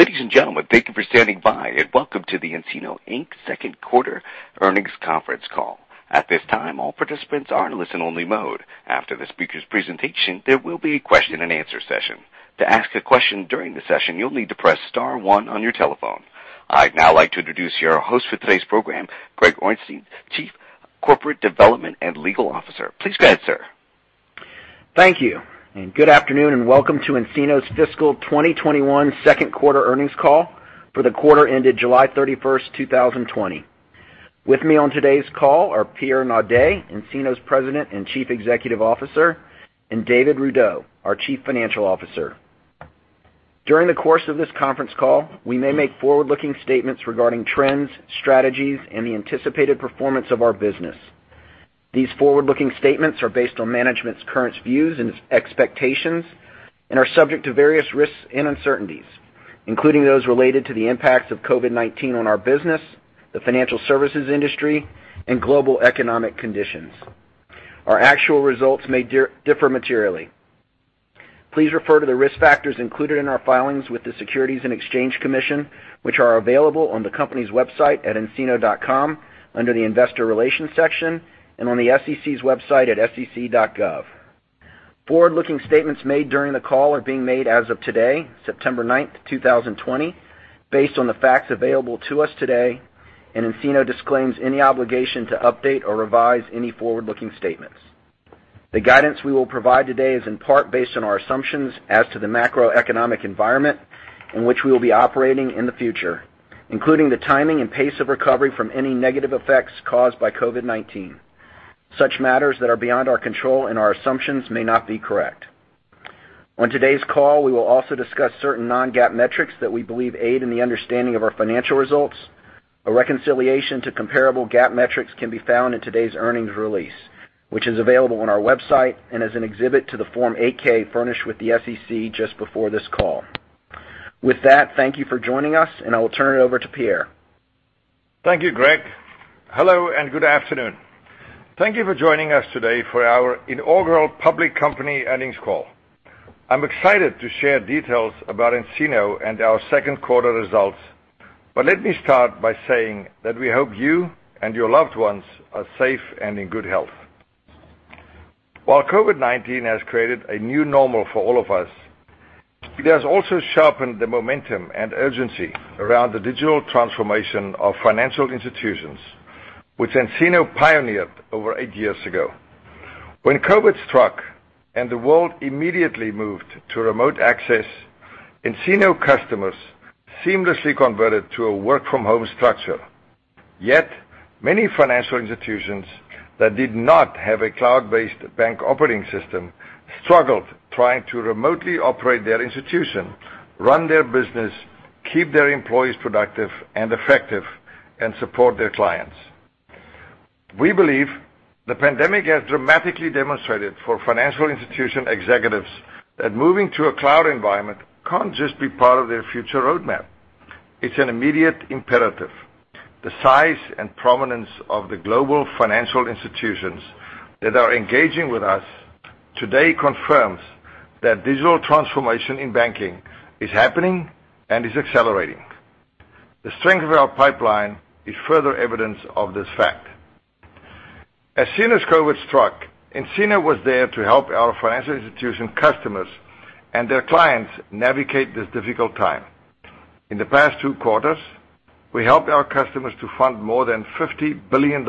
Ladies and gentlemen, thank you for standing by, and welcome to the nCino, Inc. Second Quarter Earnings Conference Call. At this time, all participants are in listen-only mode. After the speaker's presentation, there will be a question-and-answer session. To ask a question during the session, you'll need to press star one on your telephone. I'd now like to introduce your host for today's program, Greg Orenstein, Chief Corporate Development and Legal Officer. Please go ahead, sir. Thank you, and good afternoon, and welcome to nCino's fiscal 2021 Second Quarter Earnings Call for the quarter ended July 31st, 2020. With me on today's call are Pierre Naudé, nCino's President and Chief Executive Officer, and David Rudow, our Chief Financial Officer. During the course of this conference call, we may make forward-looking statements regarding trends, strategies, and the anticipated performance of our business. These forward-looking statements are based on management's current views and expectations and are subject to various risks and uncertainties, including those related to the impacts of COVID-19 on our business, the financial services industry, and global economic conditions. Our actual results may differ materially. Please refer to the risk factors included in our filings with the Securities and Exchange Commission, which are available on the company's website at ncino.com under the Investor Relations section, and on the SEC's website at sec.gov. Forward-looking statements made during the call are being made as of today, September 9th, 2020, based on the facts available to us today, and nCino disclaims any obligation to update or revise any forward-looking statements. The guidance we will provide today is in part based on our assumptions as to the macroeconomic environment in which we will be operating in the future, including the timing and pace of recovery from any negative effects caused by COVID-19. Such matters that are beyond our control and our assumptions may not be correct. On today's call, we will also discuss certain non-GAAP metrics that we believe aid in the understanding of our financial results. A reconciliation to comparable GAAP metrics can be found in today's earnings release, which is available on our website and as an exhibit to the Form 8-K furnished with the SEC just before this call. With that, thank you for joining us, and I will turn it over to Pierre. Thank you, Greg. Hello and good afternoon. Thank you for joining us today for our inaugural public company earnings call. I'm excited to share details about nCino and our second quarter results, but let me start by saying that we hope you and your loved ones are safe and in good health. While COVID-19 has created a new normal for all of us, it has also sharpened the momentum and urgency around the digital transformation of financial institutions, which nCino pioneered over eight years ago. When COVID struck and the world immediately moved to remote access, nCino customers seamlessly converted to a work-from-home structure. Yet, many financial institutions that did not have a cloud-based bank operating system struggled trying to remotely operate their institution, run their business, keep their employees productive and effective, and support their clients. We believe the pandemic has dramatically demonstrated for financial institution executives that moving to a cloud environment can't just be part of their future roadmap. It's an immediate imperative. The size and prominence of the global financial institutions that are engaging with us today confirms that digital transformation in banking is happening and is accelerating. The strength of our pipeline is further evidence of this fact. As soon as COVID struck, nCino was there to help our financial institution customers and their clients navigate this difficult time. In the past two quarters, we helped our customers to fund more than $50 billion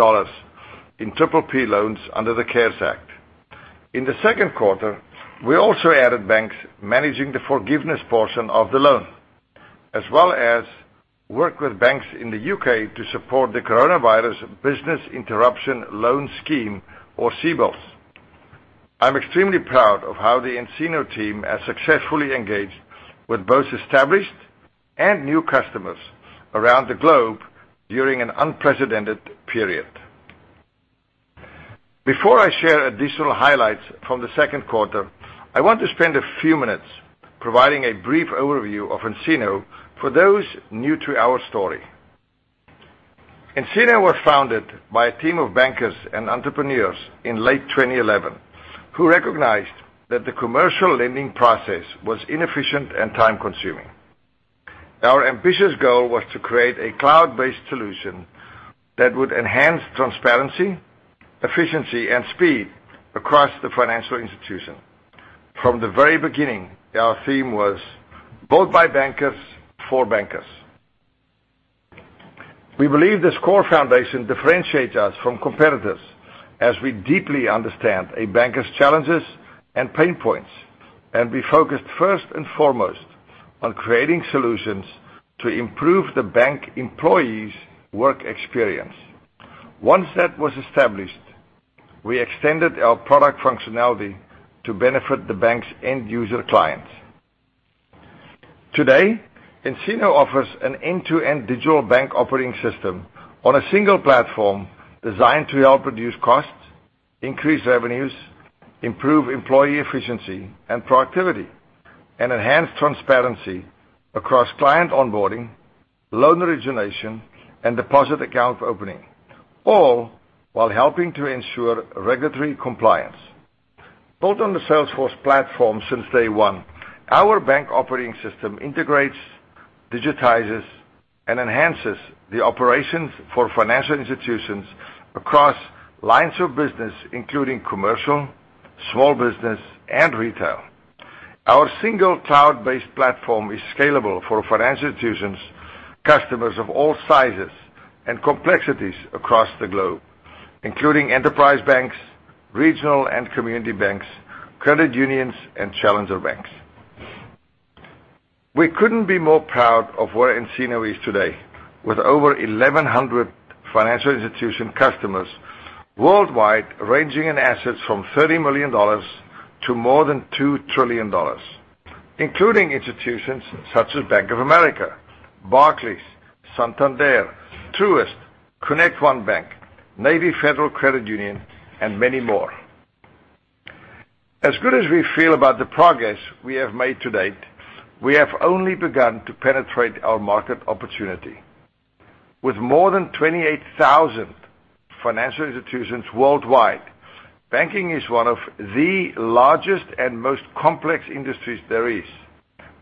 in Triple-P loans under the CARES Act. In the second quarter, we also added banks managing the forgiveness portion of the loan, as well as worked with banks in the U.K. to support the Coronavirus Business Interruption Loan Scheme, or CBILS. I'm extremely proud of how the nCino team has successfully engaged with both established and new customers around the globe during an unprecedented period. Before I share additional highlights from the second quarter, I want to spend a few minutes providing a brief overview of nCino for those new to our story. nCino was founded by a team of bankers and entrepreneurs in late 2011 who recognized that the commercial lending process was inefficient and time-consuming. Our ambitious goal was to create a cloud-based solution that would enhance transparency, efficiency, and speed across the financial institution. From the very beginning, our theme was, "Built by bankers for bankers." We believe this core foundation differentiates us from competitors as we deeply understand a banker's challenges and pain points, and we focused first and foremost on creating solutions to improve the bank employees' work experience. Once that was established, we extended our product functionality to benefit the bank's end-user clients. Today, nCino offers an end-to-end digital bank operating system on a single platform designed to help reduce costs, increase revenues, improve employee efficiency and productivity, and enhance transparency across client onboarding, loan origination, and deposit account opening, all while helping to ensure regulatory compliance. Built on the Salesforce platform since day one, our bank operating system integrates, digitizes, and enhances the operations for financial institutions across lines of business, including commercial, small business, and retail. Our single cloud-based platform is scalable for financial institutions, customers of all sizes, and complexities across the globe, including enterprise banks, regional and community banks, credit unions, and challenger banks. We couldn't be more proud of where nCino is today, with over 1,100 financial institution customers worldwide ranging in assets from $30 million to more than $2 trillion, including institutions such as Bank of America, Barclays, Santander, Truist, ConnectOne Bank, Navy Federal Credit Union, and many more. As good as we feel about the progress we have made to date, we have only begun to penetrate our market opportunity. With more than 28,000 financial institutions worldwide, banking is one of the largest and most complex industries there is,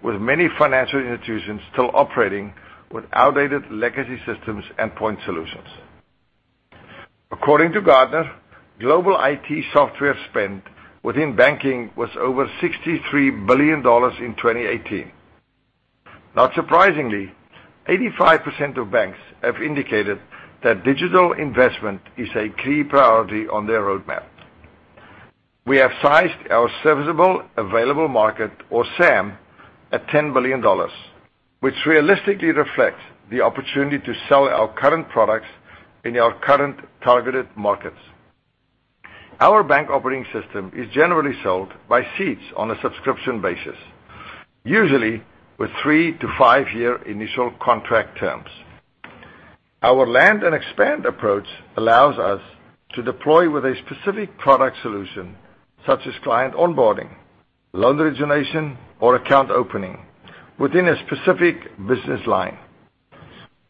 with many financial institutions still operating with outdated legacy systems and point solutions. According to Gartner, global IT software spend within banking was over $63 billion in 2018. Not surprisingly, 85% of banks have indicated that digital investment is a key priority on their roadmap. We have sized our serviceable available market, or SAM, at $10 billion, which realistically reflects the opportunity to sell our current products in our current targeted markets. Our bank operating system is generally sold by seats on a subscription basis, usually with three- to five-year initial contract terms. Our land and expand approach allows us to deploy with a specific product solution, such as client onboarding, loan origination, or account opening within a specific business line.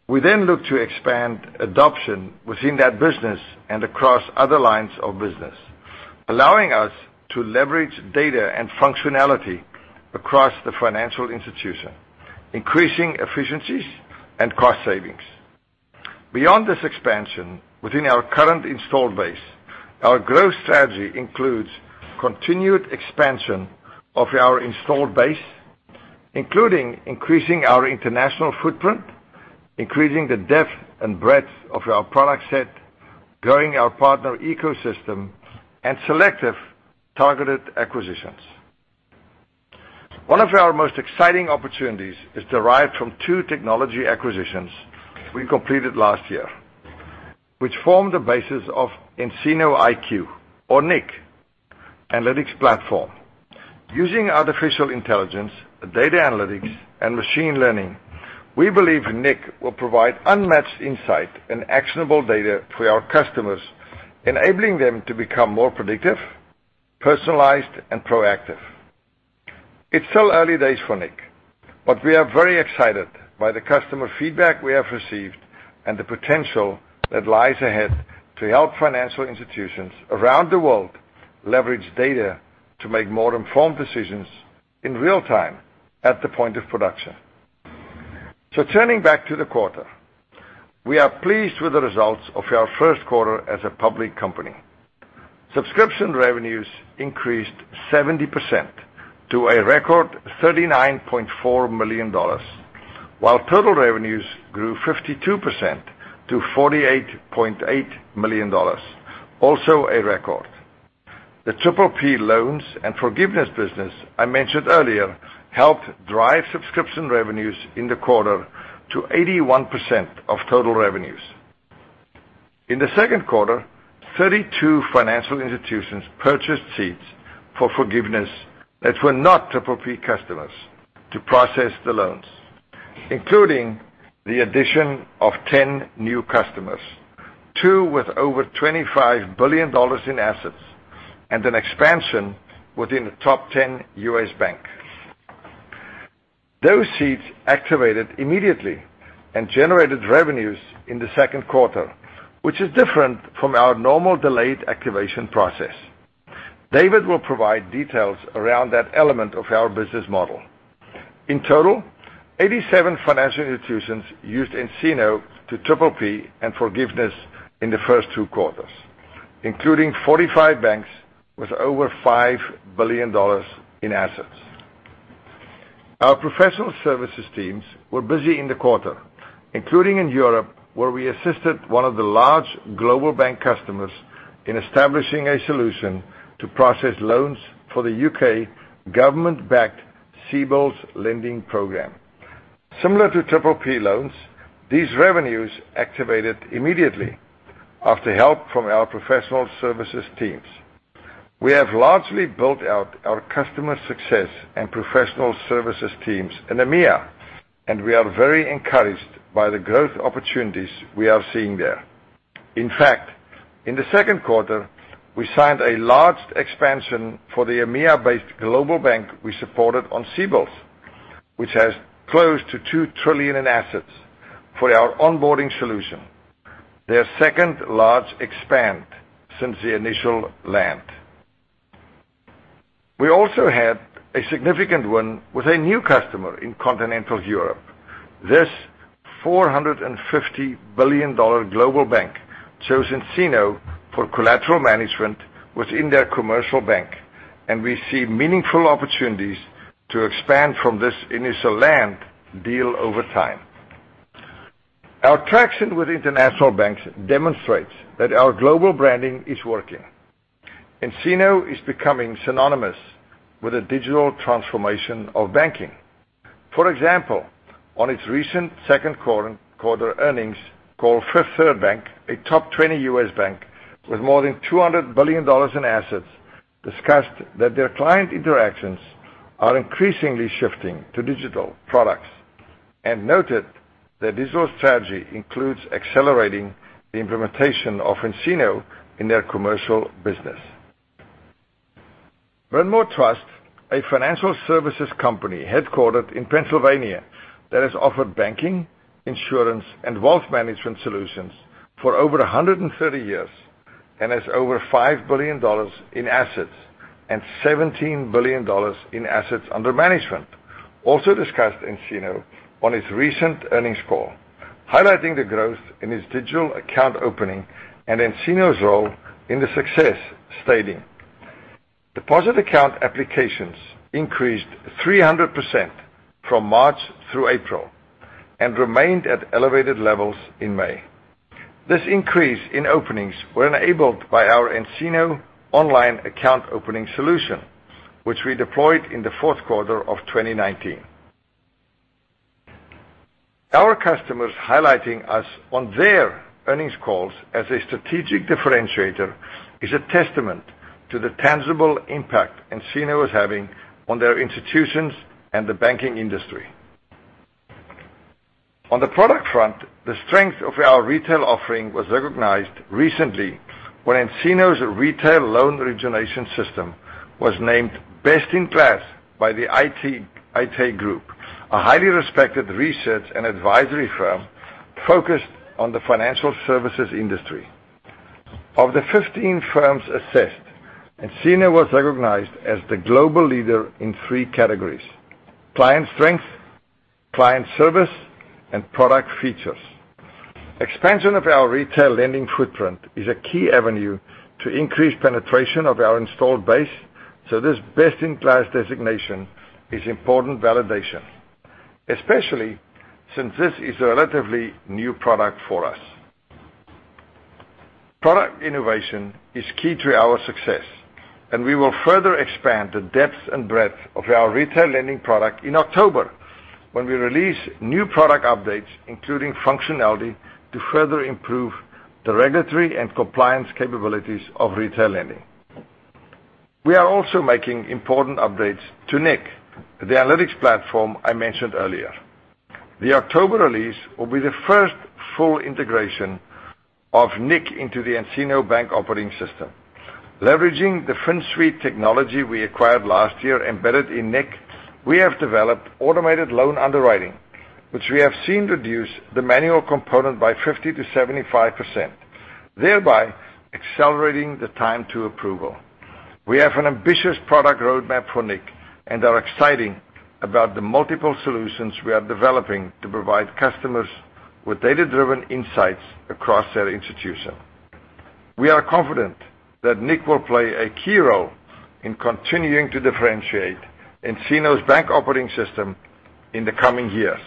We then look to expand adoption within that business and across other lines of business, allowing us to leverage data and functionality across the financial institution, increasing efficiencies and cost savings. Beyond this expansion within our current installed base, our growth strategy includes continued expansion of our installed base, including increasing our international footprint, increasing the depth and breadth of our product set, growing our partner ecosystem, and selective targeted acquisitions. One of our most exciting opportunities is derived from two technology acquisitions we completed last year, which formed the basis of nCino IQ, or nIQ, analytics platform. Using artificial intelligence, data analytics, and machine learning, we believe nIQ will provide unmatched insight and actionable data for our customers, enabling them to become more predictive, personalized, and proactive. It's still early days for nIQ, but we are very excited by the customer feedback we have received and the potential that lies ahead to help financial institutions around the world leverage data to make more informed decisions in real time at the point of production, so turning back to the quarter, we are pleased with the results of our first quarter as a public company. Subscription revenues increased 70% to a record $39.4 million, while total revenues grew 52% to $48.8 million, also a record. The triple-P loans and forgiveness business I mentioned earlier helped drive subscription revenues in the quarter to 81% of total revenues. In the second quarter, 32 financial institutions purchased seats for forgiveness that were not triple-P customers to process the loans, including the addition of 10 new customers, two with over $25 billion in assets, and an expansion within the top 10 U.S. banks. Those seats activated immediately and generated revenues in the second quarter, which is different from our normal delayed activation process. David will provide details around that element of our business model. In total, 87 financial institutions used nCino to Triple-P and forgiveness in the first two quarters, including 45 banks with over $5 billion in assets. Our professional services teams were busy in the quarter, including in Europe, where we assisted one of the large global bank customers in establishing a solution to process loans for the UK government-backed CBILS lending program. Similar to triple-P loans, these revenues activated immediately after help from our professional services teams. We have largely built out our customer success and professional services teams in EMEA, and we are very encouraged by the growth opportunities we are seeing there. In fact, in the second quarter, we signed a large expansion for the EMEA-based global bank we supported on CBILS, which has close to $2 trillion in assets for our onboarding solution, their second-largest expansion since the initial land. We also had a significant win with a new customer in continental Europe. This $450 billion global bank chose nCino for collateral management within their commercial bank, and we see meaningful opportunities to expand from this initial land deal over time. Our traction with international banks demonstrates that our global branding is working. nCino is becoming synonymous with a digital transformation of banking. For example, on its recent second quarter earnings, KeyCorp, a top 20 U.S. bank with more than $200 billion in assets, discussed that their client interactions are increasingly shifting to digital products and noted that digital strategy includes accelerating the implementation of nCino in their commercial business. Bryn Mawr Trust, a financial services company headquartered in Pennsylvania that has offered banking, insurance, and wealth management solutions for over 130 years and has over $5 billion in assets and $17 billion in assets under management, also discussed nCino on its recent earnings call, highlighting the growth in its digital account opening and nCino's role in the success, stating. Deposit account applications increased 300% from March through April and remained at elevated levels in May. This increase in openings was enabled by our nCino online account opening solution, which we deployed in the fourth quarter of 2019. Our customers highlighting us on their earnings calls as a strategic differentiator is a testament to the tangible impact nCino is having on their institutions and the banking industry. On the product front, the strength of our retail offering was recognized recently when nCino's retail loan origination system was named best in class by the Aite Group, a highly respected research and advisory firm focused on the financial services industry. Of the 15 firms assessed, nCino was recognized as the global leader in three categories: client strength, client service, and product features. Expansion of our retail lending footprint is a key avenue to increase penetration of our installed base, so this best in class designation is important validation, especially since this is a relatively new product for us. Product innovation is key to our success, and we will further expand the depth and breadth of our retail lending product in October when we release new product updates, including functionality to further improve the regulatory and compliance capabilities of retail lending. We are also making important updates to nIQ, the analytics platform I mentioned earlier. The October release will be the first full integration of nIQ into the nCino Bank Operating System. Leveraging the FinSuite technology we acquired last year embedded in nIQ, we have developed automated loan underwriting, which we have seen reduce the manual component by 50%-75%, thereby accelerating the time to approval. We have an ambitious product roadmap for nIQ and are excited about the multiple solutions we are developing to provide customers with data-driven insights across their institution. We are confident that nIQ will play a key role in continuing to differentiate nCino's Bank Operating System in the coming years.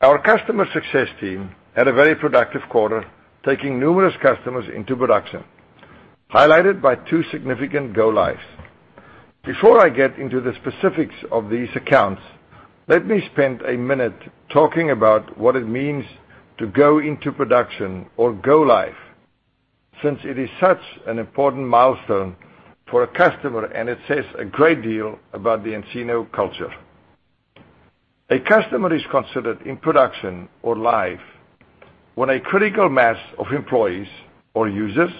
Our customer success team had a very productive quarter, taking numerous customers into production, highlighted by two significant go-lives. Before I get into the specifics of these accounts, let me spend a minute talking about what it means to go into production or go-live, since it is such an important milestone for a customer, and it says a great deal about the nCino culture. A customer is considered in production or live when a critical mass of employees or users,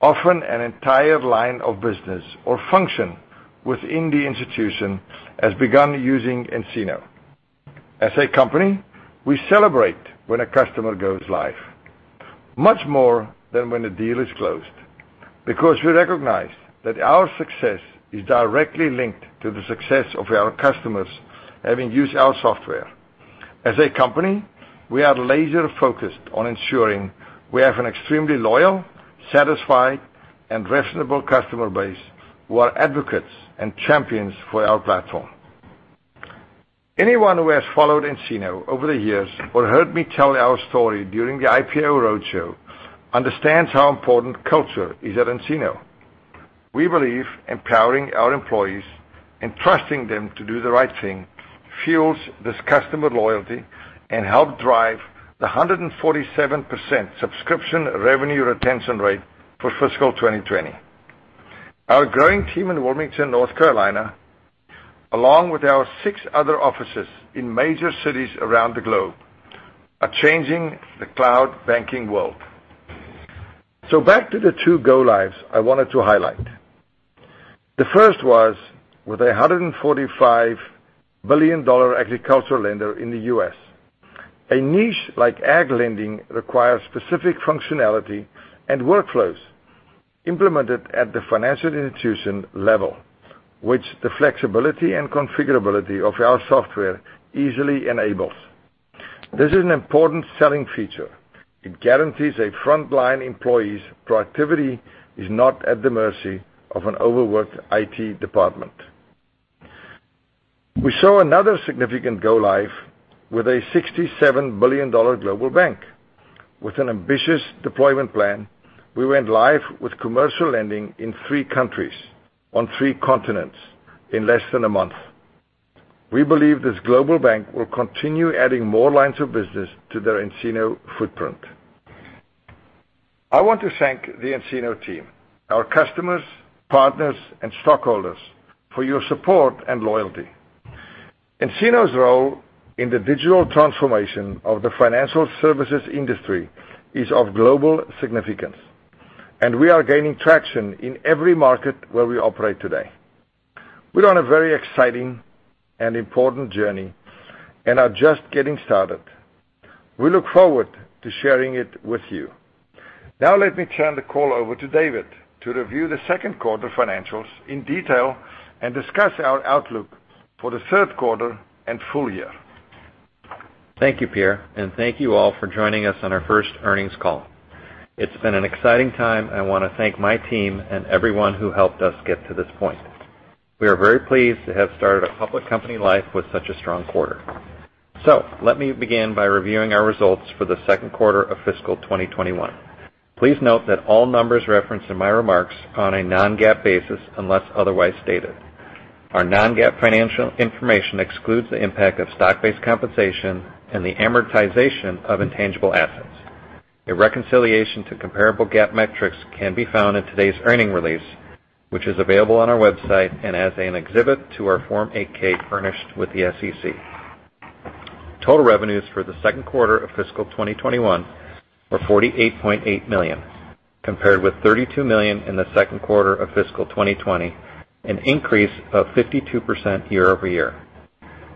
often an entire line of business or function within the institution, has begun using nCino. As a company, we celebrate when a customer goes live, much more than when a deal is closed, because we recognize that our success is directly linked to the success of our customers having used our software. As a company, we are laser-focused on ensuring we have an extremely loyal, satisfied, and reasonable customer base who are advocates and champions for our platform. Anyone who has followed nCino over the years or heard me tell our story during the IPO roadshow understands how important culture is at nCino. We believe empowering our employees and trusting them to do the right thing fuels this customer loyalty and helps drive the 147% subscription revenue retention rate for fiscal 2020. Our growing team in Wilmington, North Carolina, along with our six other offices in major cities around the globe, are changing the cloud banking world. So back to the two go-lives I wanted to highlight. The first was with a $145 billion agricultural lender in the U.S. A niche like ag lending requires specific functionality and workflows implemented at the financial institution level, which the flexibility and configurability of our software easily enables. This is an important selling feature. It guarantees a frontline employee's productivity is not at the mercy of an overworked IT department. We saw another significant go-live with a $67 billion global bank. With an ambitious deployment plan, we went live with commercial lending in three countries on three continents in less than a month. We believe this global bank will continue adding more lines of business to their nCino footprint. I want to thank the nCino team, our customers, partners, and stockholders for your support and loyalty. nCino's role in the digital transformation of the financial services industry is of global significance, and we are gaining traction in every market where we operate today. We're on a very exciting and important journey and are just getting started. We look forward to sharing it with you. Now let me turn the call over to David to review the second quarter financials in detail and discuss our outlook for the third quarter and full year. Thank you, Pierre, and thank you all for joining us on our first earnings call. It's been an exciting time, and I want to thank my team and everyone who helped us get to this point. We are very pleased to have started a public company life with such a strong quarter. So let me begin by reviewing our results for the second quarter of fiscal 2021. Please note that all numbers referenced in my remarks are on a non-GAAP basis unless otherwise stated. Our non-GAAP financial information excludes the impact of stock-based compensation and the amortization of intangible assets. A reconciliation to comparable GAAP metrics can be found in today's earnings release, which is available on our website and as an exhibit to our Form 8-K furnished with the SEC. Total revenues for the second quarter of fiscal 2021 were $48.8 million, compared with $32 million in the second quarter of fiscal 2020, an increase of 52% year over year.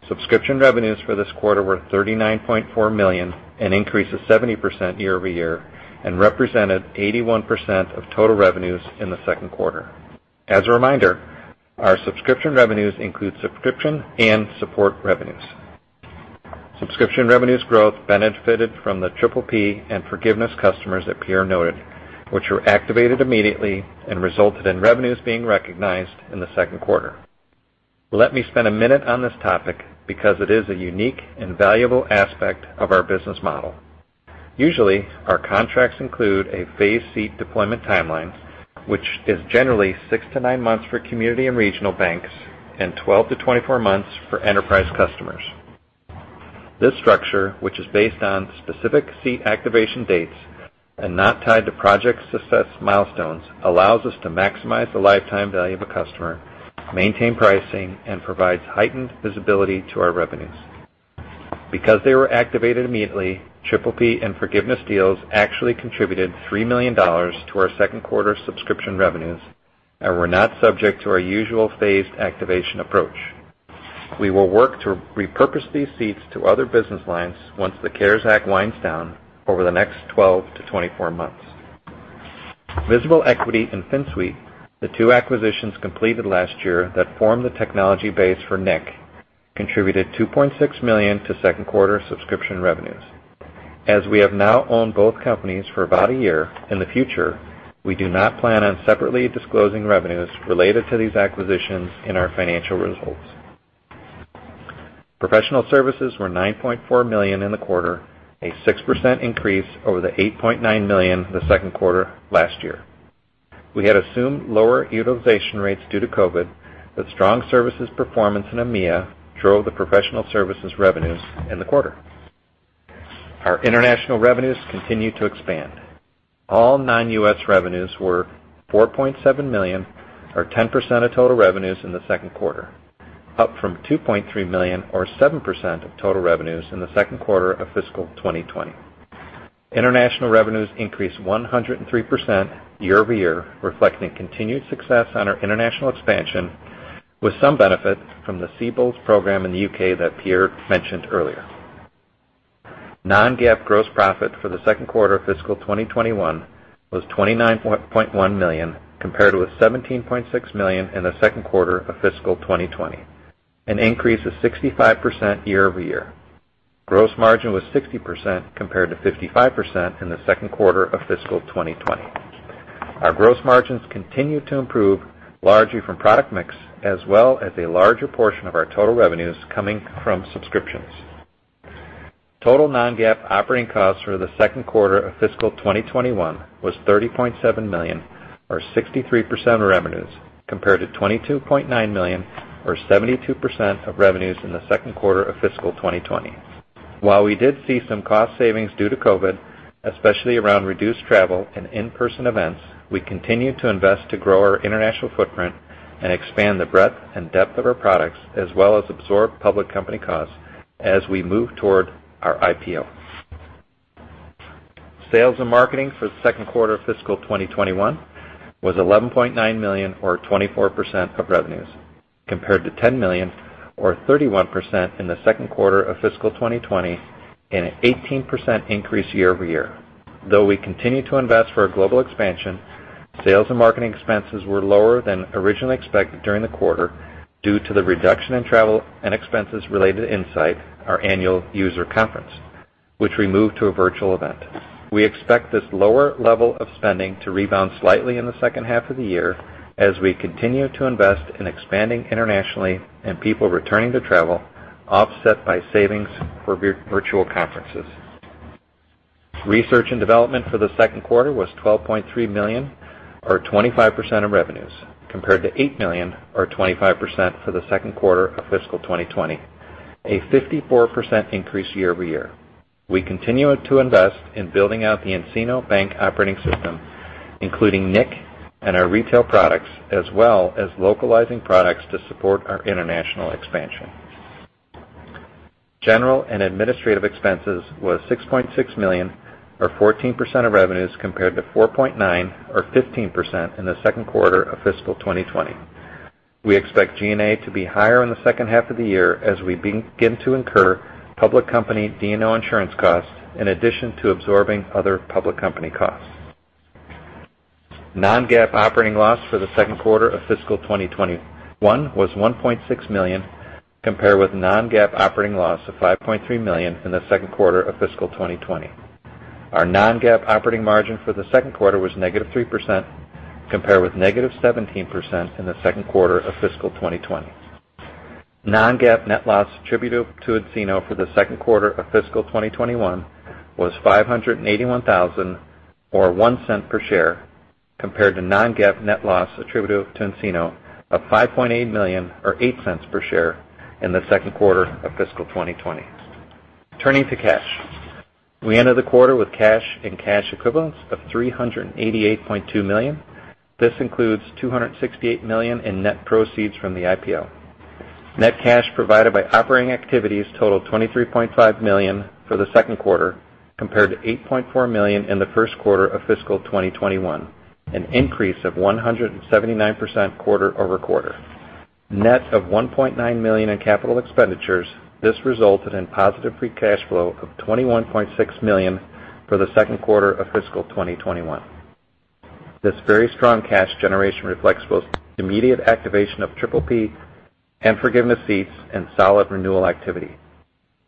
Subscription revenues for this quarter were $39.4 million, an increase of 70% year over year, and represented 81% of total revenues in the second quarter. As a reminder, our subscription revenues include subscription and support revenues. Subscription revenues growth benefited from the triple-P and forgiveness customers that Pierre noted, which were activated immediately and resulted in revenues being recognized in the second quarter. Let me spend a minute on this topic because it is a unique and valuable aspect of our business model. Usually, our contracts include a phased seat deployment timeline, which is generally 6-9 months for community and regional banks and 12-24 months for enterprise customers. This structure, which is based on specific seat activation dates and not tied to project success milestones, allows us to maximize the lifetime value of a customer, maintain pricing, and provides heightened visibility to our revenues. Because they were activated immediately, triple-P and forgiveness deals actually contributed $3 million to our second quarter subscription revenues and were not subject to our usual phased activation approach. We will work to repurpose these seats to other business lines once the CARES Act winds down over the next 12-24 months. Visible Equity and FinSuite, the two acquisitions completed last year that form the technology base for nIQ, contributed $2.6 million to second quarter subscription revenues. As we have now owned both companies for about a year, in the future, we do not plan on separately disclosing revenues related to these acquisitions in our financial results. Professional services were $9.4 million in the quarter, a 6% increase over the $8.9 million in the second quarter last year. We had assumed lower utilization rates due to COVID, but strong services performance in EMEA drove the professional services revenues in the quarter. Our international revenues continued to expand. All non-U.S. revenues were $4.7 million, or 10% of total revenues in the second quarter, up from $2.3 million, or 7% of total revenues in the second quarter of fiscal 2020. International revenues increased 103% year over year, reflecting continued success on our international expansion, with some benefit from the CBILS program in the U.K. that Pierre mentioned earlier. Non-GAAP gross profit for the second quarter of fiscal 2021 was $29.1 million, compared with $17.6 million in the second quarter of fiscal 2020, an increase of 65% year over year. Gross margin was 60% compared to 55% in the second quarter of fiscal 2020. Our gross margins continued to improve, largely from product mix, as well as a larger portion of our total revenues coming from subscriptions. Total non-GAAP operating costs for the second quarter of fiscal 2021 was $30.7 million, or 63% of revenues, compared to $22.9 million, or 72% of revenues in the second quarter of fiscal 2020. While we did see some cost savings due to COVID, especially around reduced travel and in-person events, we continue to invest to grow our international footprint and expand the breadth and depth of our products, as well as absorb public company costs as we move toward our IPO. Sales and marketing for the second quarter of fiscal 2021 was $11.9 million, or 24% of revenues, compared to $10 million, or 31% in the second quarter of fiscal 2020, an 18% increase year over year. Though we continue to invest for a global expansion, sales and marketing expenses were lower than originally expected during the quarter due to the reduction in travel and expenses related to nSight, our annual user conference, which we moved to a virtual event. We expect this lower level of spending to rebound slightly in the second half of the year as we continue to invest in expanding internationally and people returning to travel, offset by savings for virtual conferences. Research and development for the second quarter was $12.3 million, or 25% of revenues, compared to $8 million, or 25% for the second quarter of fiscal 2020, a 54% increase year over year. We continue to invest in building out the nCino Bank Operating System, including nIQ and our retail products, as well as localizing products to support our international expansion. General and administrative expenses were $6.6 million, or 14% of revenues, compared to $4.9 million, or 15% in the second quarter of fiscal 2020. We expect G&A to be higher in the second half of the year as we begin to incur public company D&O insurance costs, in addition to absorbing other public company costs. Non-GAAP operating loss for the second quarter of fiscal 2021 was $1.6 million, compared with non-GAAP operating loss of $5.3 million in the second quarter of fiscal 2020. Our non-GAAP operating margin for the second quarter was negative 3%, compared with negative 17% in the second quarter of fiscal 2020. Non-GAAP net loss attributable to nCino for the second quarter of fiscal 2021 was $581,000, or 1 cent per share, compared to non-GAAP net loss attributable to nCino of $5.8 million, or 8 cents per share, in the second quarter of fiscal 2020. Turning to cash, we ended the quarter with cash and cash equivalents of $388.2 million. This includes $268 million in net proceeds from the IPO. Net cash provided by operating activities totaled $23.5 million for the second quarter, compared to $8.4 million in the first quarter of fiscal 2021, an increase of 179% quarter over quarter. Net of $1.9 million in capital expenditures, this resulted in positive free cash flow of $21.6 million for the second quarter of fiscal 2021. This very strong cash generation reflects both immediate activation of triple-P and forgiveness seats and solid renewal activity.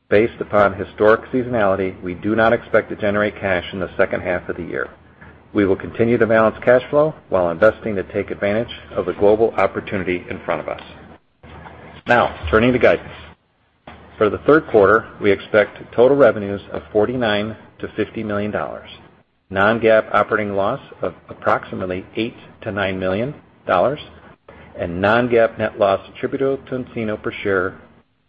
Based upon historic seasonality, we do not expect to generate cash in the second half of the year. We will continue to balance cash flow while investing to take advantage of the global opportunity in front of us. Now, turning to guidance. For the third quarter, we expect total revenues of $49-$50 million, non-GAAP operating loss of approximately $8-$9 million, and non-GAAP net loss attributable to nCino per share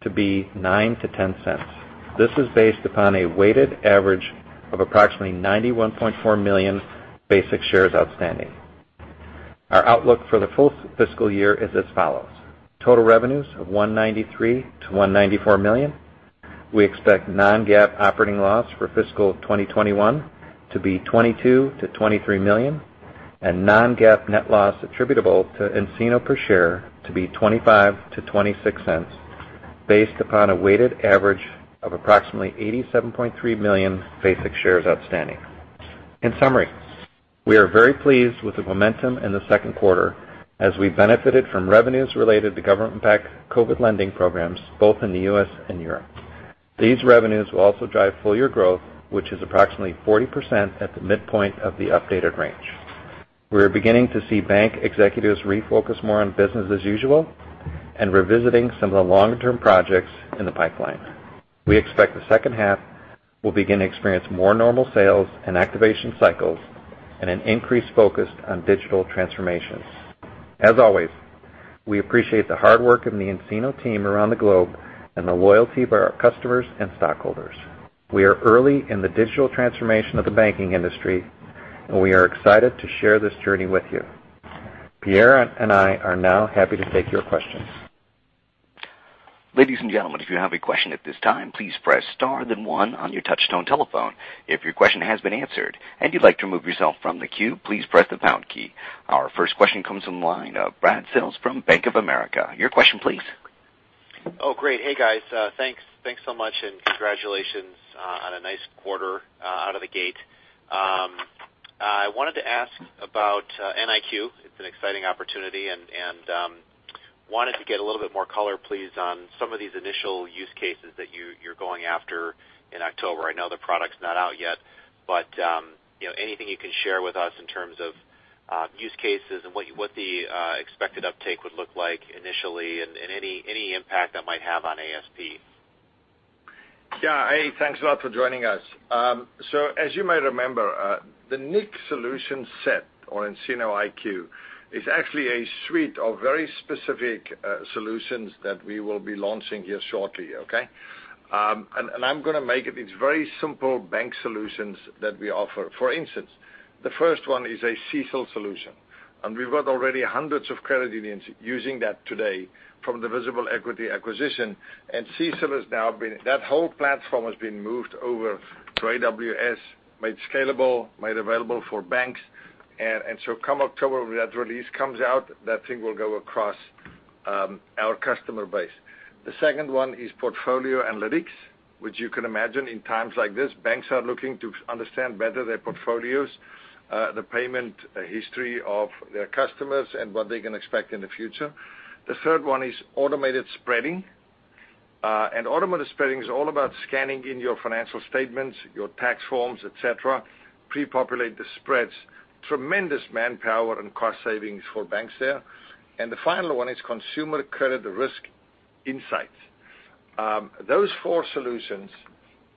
to be $0.09-$0.10. This is based upon a weighted average of approximately 91.4 million basic shares outstanding. Our outlook for the full fiscal year is as follows: total revenues of $193-$194 million. We expect non-GAAP operating loss for fiscal 2021 to be $22-$23 million, and non-GAAP net loss attributable to nCino per share to be $0.25-$0.26, based upon a weighted average of approximately 87.3 million basic shares outstanding. In summary, we are very pleased with the momentum in the second quarter as we benefited from revenues related to government-backed COVID lending programs, both in the U.S. and Europe. These revenues will also drive full-year growth, which is approximately 40% at the midpoint of the updated range. We are beginning to see bank executives refocus more on business as usual and revisiting some of the longer-term projects in the pipeline. We expect the second half will begin to experience more normal sales and activation cycles and an increased focus on digital transformations. As always, we appreciate the hard work of the nCino team around the globe and the loyalty by our customers and stockholders. We are early in the digital transformation of the banking industry, and we are excited to share this journey with you. Pierre and I are now happy to take your questions. Ladies and gentlemen, if you have a question at this time, please press star then one on your touch-tone telephone. If your question has been answered and you'd like to remove yourself from the queue, please press the pound key. Our first question comes from Brad Sills from Bank of America. Your question, please. Oh, great. Hey, guys. Thanks so much and congratulations on a nice quarter out of the gate. I wanted to ask about nIQ. It's an exciting opportunity, and wanted to get a little bit more color, please, on some of these initial use cases that you're going after in October. I know the product's not out yet, but anything you can share with us in terms of use cases and what the expected uptake would look like initially and any impact that might have on ASP. Yeah. Hey, thanks a lot for joining us. So, as you might remember, the nIQ solution set, or nCino IQ, is actually a suite of very specific solutions that we will be launching here shortly, okay? And I'm going to make it these very simple bank solutions that we offer. For instance, the first one is a CECL solution. And we've got already hundreds of credit unions using that today from the Visible Equity acquisition. And CECL has now been that whole platform has been moved over to AWS, made scalable, made available for banks. And so, come October, when that release comes out, that thing will go across our customer base. The second one is portfolio analytics, which you can imagine in times like this. Banks are looking to understand better their portfolios, the payment history of their customers, and what they can expect in the future. The third one is automated spreading. Automated spreading is all about scanning in your financial statements, your tax forms, etc., pre-populate the spreads. Tremendous manpower and cost savings for banks there. The final one is consumer credit risk insights. Those four solutions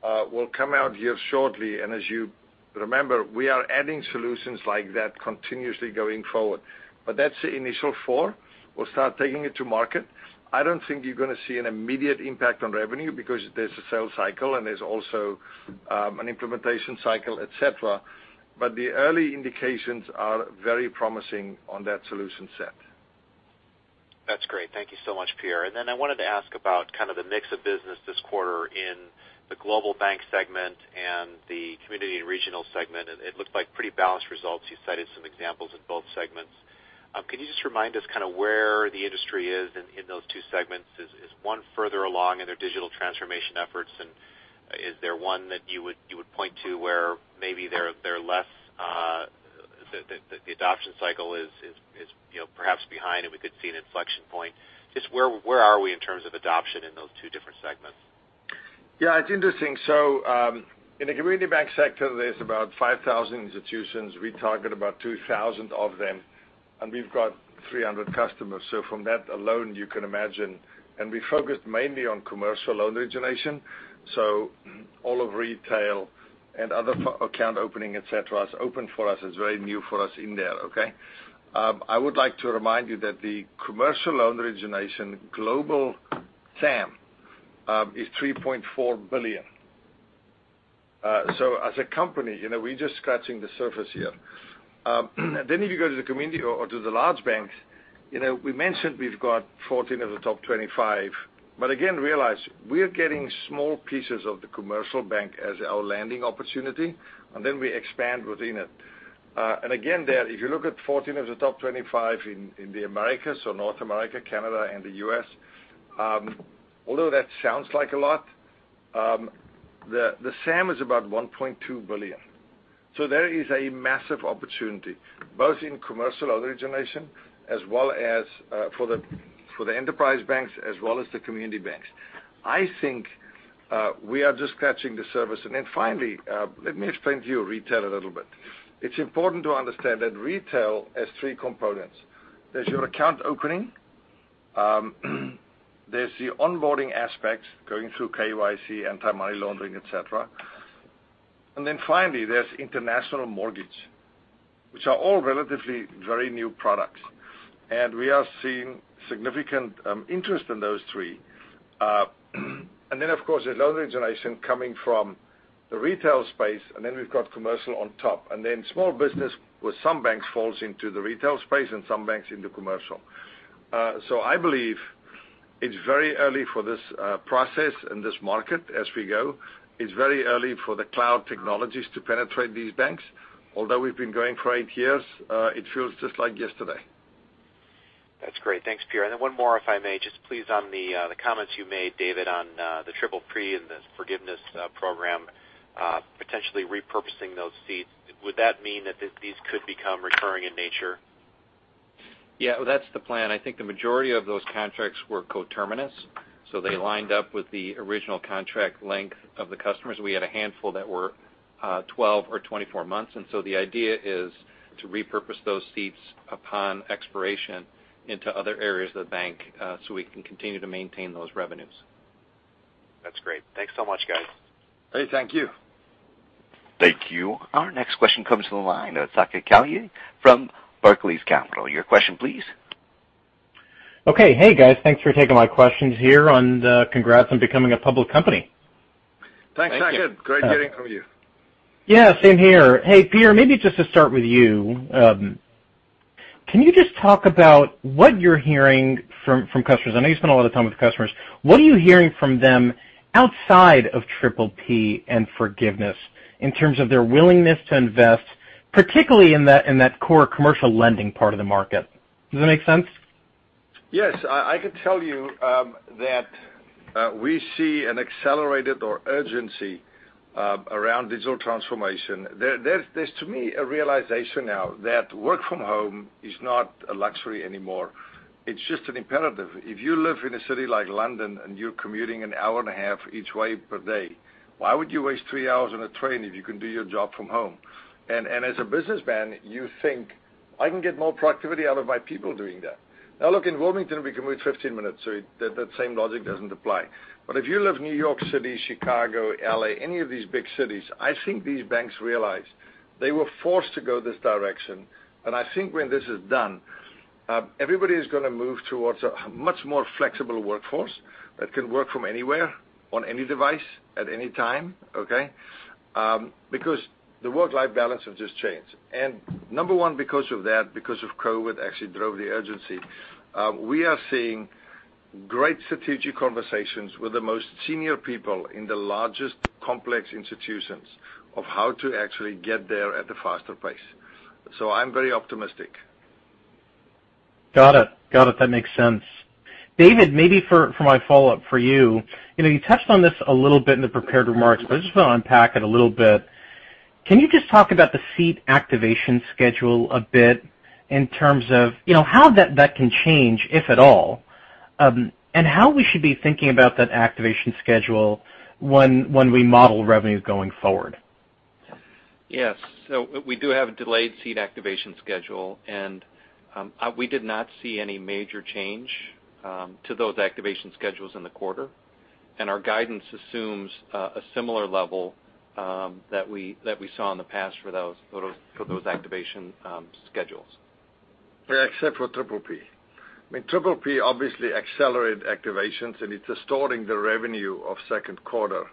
will come out here shortly. As you remember, we are adding solutions like that continuously going forward. That's the initial four. We'll start taking it to market. I don't think you're going to see an immediate impact on revenue because there's a sales cycle and there's also an implementation cycle, etc. The early indications are very promising on that solution set. That's great. Thank you so much, Pierre. Then I wanted to ask about kind of the mix of business this quarter in the global bank segment and the community and regional segment. It looked like pretty balanced results. You cited some examples in both segments. Can you just remind us kind of where the industry is in those two segments? Is one further along in their digital transformation efforts? And is there one that you would point to where maybe they're less the adoption cycle is perhaps behind and we could see an inflection point? Just where are we in terms of adoption in those two different segments? Yeah. It's interesting. So, in the community bank sector, there's about 5,000 institutions. We target about 2,000 of them, and we've got 300 customers. So, from that alone, you can imagine. And we focused mainly on commercial loan origination. So, all of retail and other account opening, etc., is open for us. It's very new for us in there, okay? I would like to remind you that the commercial loan origination global SAM is $3.4 billion. So, as a company, we're just scratching the surface here. Then, if you go to the community or to the large banks, we mentioned we've got 14 of the top 25. But again, realize we're getting small pieces of the commercial bank as our landing opportunity, and then we expand within it. And again, there, if you look at 14 of the top 25 in the Americas, so North America, Canada, and the U.S., although that sounds like a lot, the SAM is about $1.2 billion. So, there is a massive opportunity, both in commercial origination as well as for the enterprise banks as well as the community banks. I think we are just scratching the surface. And then, finally, let me explain to you retail a little bit. It's important to understand that retail has three components. There's your account opening. There's the onboarding aspects going through KYC, anti-money laundering, etc. And then, finally, there's international mortgage, which are all relatively very new products. And we are seeing significant interest in those three. And then, of course, there's loan origination coming from the retail space, and then we've got commercial on top. And then, small business with some banks falls into the retail space and some banks into commercial. So, I believe it's very early for this process and this market as we go. It's very early for the cloud technologies to penetrate these banks. Although we've been going for eight years, it feels just like yesterday. That's great. Thanks, Pierre. And then one more, if I may, just please on the comments you made, David, on the triple-P and the forgiveness program, potentially repurposing those seats. Would that mean that these could become recurring in nature? Yeah. That's the plan. I think the majority of those contracts were co-terminous. So, they lined up with the original contract length of the customers. We had a handful that were 12 or 24 months. And so, the idea is to repurpose those seats upon expiration into other areas of the bank so we can continue to maintain those revenues. That's great. Thanks so much, guys. Hey, thank you. Thank you. Our next question comes from Saket Kalia from Barclays. Your question, please. Okay. Hey, guys. Thanks for taking my questions here, and congrats on becoming a public company. Thanks, Saket. Great hearing from you. Yeah. Same here. Hey, Pierre, maybe just to start with you, can you just talk about what you're hearing from customers? I know you spend a lot of time with customers. What are you hearing from them outside of triple-P and forgiveness in terms of their willingness to invest, particularly in that core commercial lending part of the market? Does that make sense? Yes. I can tell you that we see an accelerated urgency around digital transformation. There's, to me, a realization now that work from home is not a luxury anymore. It's just an imperative. If you live in a city like London and you're commuting an hour and a half each way per day, why would you waste three hours on a train if you can do your job from home? And as a businessman, you think, "I can get more productivity out of my people doing that." Now, look, in Wilmington, we commute 15 minutes. So, that same logic doesn't apply. But if you live in New York City, Chicago, LA, any of these big cities, I think these banks realize they were forced to go this direction. And I think when this is done, everybody is going to move towards a much more flexible workforce that can work from anywhere, on any device, at any time, okay? Because the work-life balance has just changed. And number one, because of that, because of COVID actually drove the urgency, we are seeing great strategic conversations with the most senior people in the largest complex institutions of how to actually get there at the faster pace. So, I'm very optimistic. Got it. Got it. That makes sense. David, maybe for my follow-up for you, you touched on this a little bit in the prepared remarks, but I just want to unpack it a little bit. Can you just talk about the seat activation schedule a bit in terms of how that can change, if at all, and how we should be thinking about that activation schedule when we model revenue going forward? Yes. So, we do have a delayed seat activation schedule, and we did not see any major change to those activation schedules in the quarter. And our guidance assumes a similar level that we saw in the past for those activation schedules. Except for triple-P. I mean, triple-P obviously accelerated activations, and it's distorting the revenue of second quarter.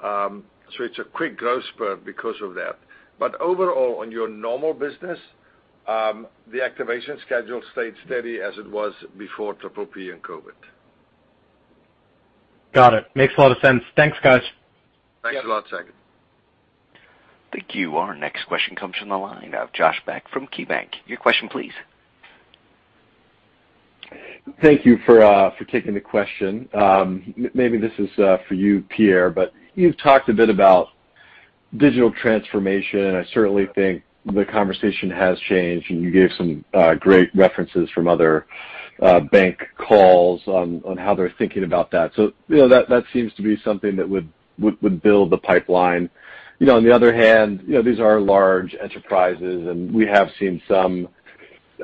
So, it's a quick growth spurt because of that. But overall, on your normal business, the activation schedule stayed steady as it was before triple-P and COVID. Got it. Makes a lot of sense. Thanks, guys. Thanks a lot, Saket. Thank you. Our next question comes from the line of Josh Beck from KeyBanc. Your question, please. Thank you for taking the question. Maybe this is for you, Pierre, but you've talked a bit about digital transformation. I certainly think the conversation has changed, and you gave some great references from other bank calls on how they're thinking about that. So, that seems to be something that would build the pipeline. On the other hand, these are large enterprises, and we have seen some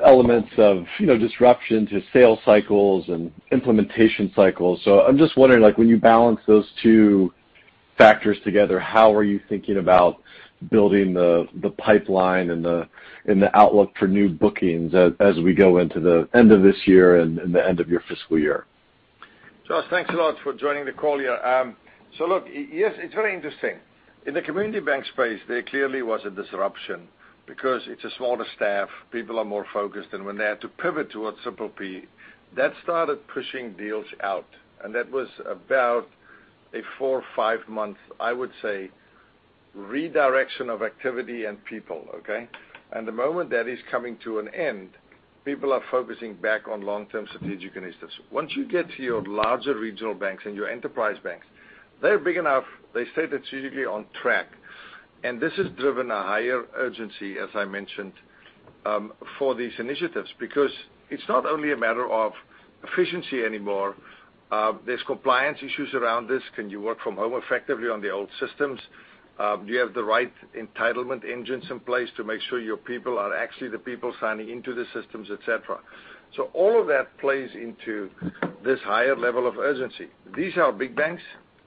elements of disruption to sales cycles and implementation cycles. So, I'm just wondering, when you balance those two factors together, how are you thinking about building the pipeline and the outlook for new bookings as we go into the end of this year and the end of your fiscal year? Josh, thanks a lot for joining the call here. So, look, yes, it's very interesting. In the community bank space, there clearly was a disruption because it's a smaller staff, people are more focused. And when they had to pivot towards triple-P, that started pushing deals out. And that was about a four- or five-month, I would say, redirection of activity and people, okay? And the moment that is coming to an end, people are focusing back on long-term strategic initiatives. Once you get to your larger regional banks and your enterprise banks, they're big enough. They stay strategically on track. And this has driven a higher urgency, as I mentioned, for these initiatives because it's not only a matter of efficiency anymore. There's compliance issues around this. Can you work from home effectively on the old systems? Do you have the right entitlement engines in place to make sure your people are actually the people signing into the systems, etc.? All of that plays into this higher level of urgency. These are big banks.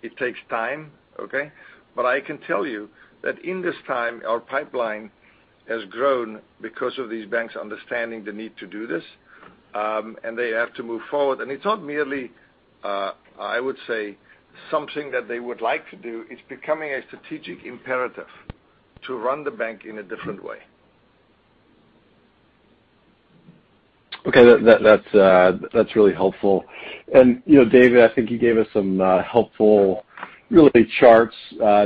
It takes time, okay? But I can tell you that in this time, our pipeline has grown because of these banks understanding the need to do this, and they have to move forward. And it's not merely, I would say, something that they would like to do. It's becoming a strategic imperative to run the bank in a different way. Okay. That's really helpful. And David, I think you gave us some helpful, really, charts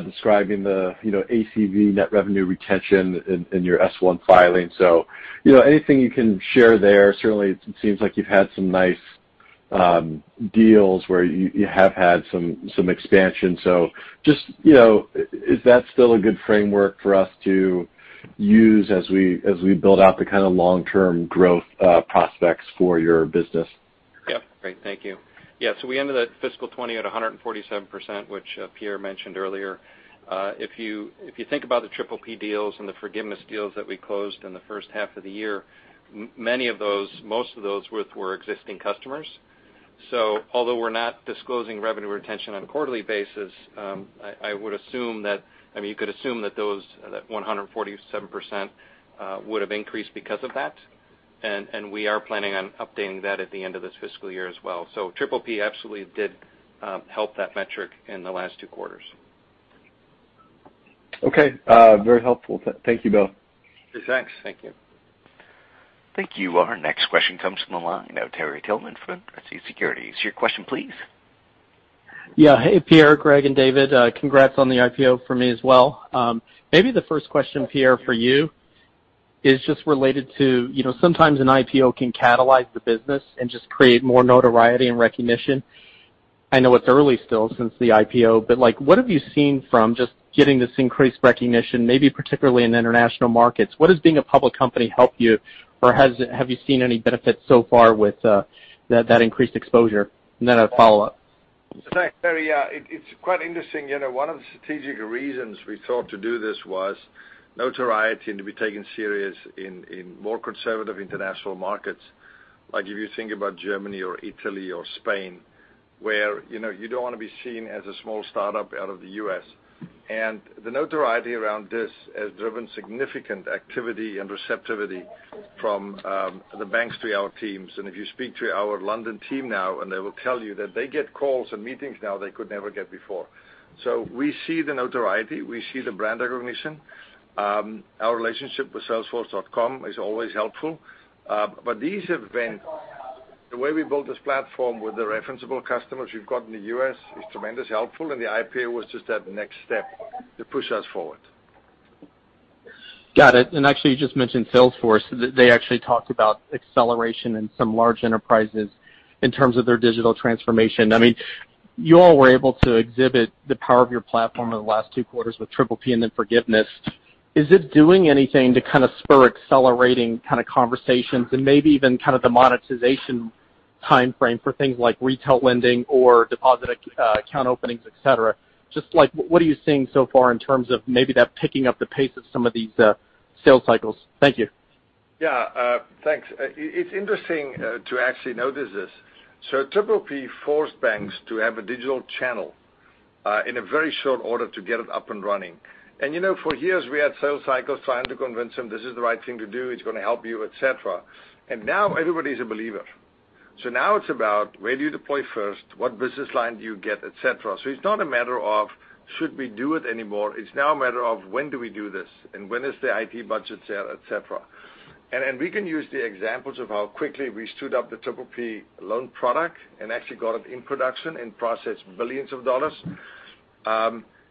describing the ACV net revenue retention in your S-1 filing. So, anything you can share there? Certainly, it seems like you've had some nice deals where you have had some expansion. So, just, is that still a good framework for us to use as we build out the kind of long-term growth prospects for your business? Yep. Great. Thank you. Yeah. So, we ended that fiscal 2020 at 147%, which Pierre mentioned earlier. If you think about the triple-P deals and the forgiveness deals that we closed in the first half of the year, many of those, most of those were existing customers. So, although we're not disclosing revenue retention on a quarterly basis, I would assume that, I mean, you could assume that those at 147% would have increased because of that. And we are planning on updating that at the end of this fiscal year as well. So, triple-P absolutely did help that metric in the last two quarters. Okay. Very helpful. Thank you both. Thanks. Thank you. Thank you. Our next question comes from the line of Terry Tillman from Truist Securities. Is your question, please? Yeah. Hey, Pierre, Greg, and David. Congrats on the IPO for me as well. Maybe the first question, Pierre, for you is just related to sometimes an IPO can catalyze the business and just create more notoriety and recognition. I know it's early still since the IPO, but what have you seen from just getting this increased recognition, maybe particularly in international markets? What does being a public company help you, or have you seen any benefits so far with that increased exposure? And then a follow-up. Thanks, Terry. Yeah. It's quite interesting. One of the strategic reasons we thought to do this was notoriety and to be taken serious in more conservative international markets. If you think about Germany or Italy or Spain, where you don't want to be seen as a small startup out of the U.S., and the notoriety around this has driven significant activity and receptivity from the banks to our teams. And if you speak to our London team now, and they will tell you that they get calls and meetings now they could never get before. So, we see the notoriety. We see the brand recognition. Our relationship with Salesforce.com is always helpful. But these events, the way we built this platform with the referenceable customers we've got in the U.S. is tremendously helpful. And the IPO was just that next step to push us forward. Got it. And actually, you just mentioned Salesforce. They actually talked about acceleration in some large enterprises in terms of their digital transformation. I mean, you all were able to exhibit the power of your platform in the last two quarters with triple-P and then forgiveness. Is it doing anything to kind of spur accelerating kind of conversations and maybe even kind of the monetization timeframe for things like retail lending or deposit account openings, etc.? Just what are you seeing so far in terms of maybe that picking up the pace of some of these sales cycles? Thank you. Yeah. Thanks. It's interesting to actually notice this. So, triple-P forced banks to have a digital channel in a very short order to get it up and running. And for years, we had sales cycles trying to convince them, "This is the right thing to do. It's going to help you," etc. And now everybody's a believer. So now it's about where do you deploy first, what business line do you get, etc.? So, it's not a matter of, "Should we do it anymore?" It's now a matter of, "When do we do this? And when is the IT budget set?" etc. And we can use the examples of how quickly we stood up the triple-P loan product and actually got it in production and processed billions of dollars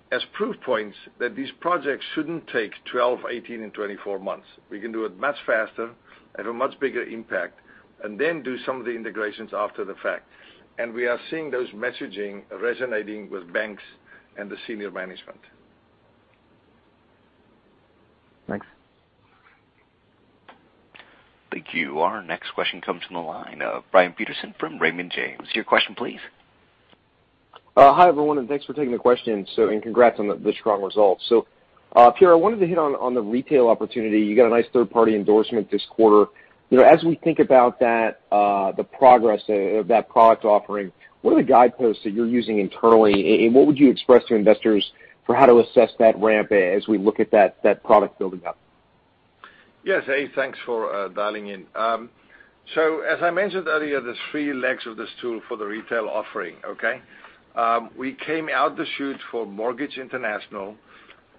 as proof points that these projects shouldn't take 12, 18, and 24 months. We can do it much faster, have a much bigger impact, and then do some of the integrations after the fact. And we are seeing those messaging resonating with banks and the senior management. Thanks. Thank you. Our next question comes from the line of Brian Peterson from Raymond James. Your question, please. Hi, everyone, and thanks for taking the question. And congrats on the strong results. So, Pierre, I wanted to hit on the retail opportunity. You got a nice third-party endorsement this quarter. As we think about that, the progress of that product offering, what are the guideposts that you're using internally, and what would you express to investors for how to assess that ramp as we look at that product building up? Yes. Hey, thanks for dialing in. So, as I mentioned earlier, there's three legs of this tool for the retail offering, okay? We came out the chute for Mortgage International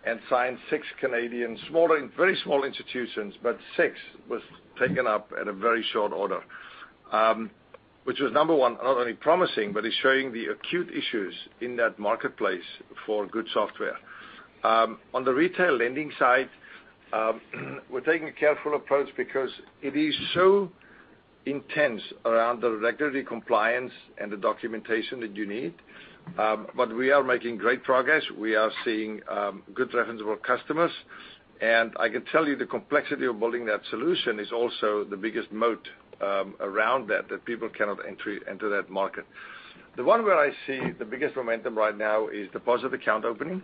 and signed six Canadian very small institutions, but six was taken up at a very short order, which was number one, not only promising, but is showing the acute issues in that marketplace for good software. On the retail lending side, we're taking a careful approach because it is so intense around the regulatory compliance and the documentation that you need. But we are making great progress. We are seeing good referenceable customers. And I can tell you the complexity of building that solution is also the biggest moat around that, that people cannot enter that market. The one where I see the biggest momentum right now is deposit account opening.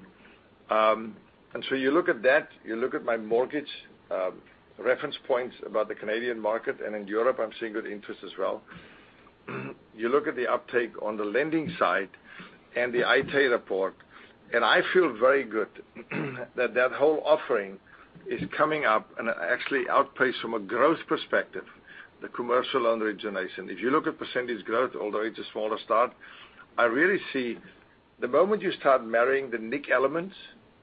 And so you look at that, you look at my mortgage reference points about the Canadian market, and in Europe, I'm seeing good interest as well. You look at the uptake on the lending side and the Aite report, and I feel very good that that whole offering is coming up and actually outpace from a growth perspective, the commercial underwriting. If you look at percentage growth, although it's a smaller start, I really see the moment you start marrying the nCino elements